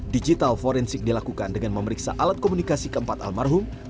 digital forensik dilakukan dengan memeriksa alat komunikasi keempat almarhum